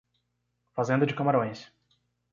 Fazenda de camarões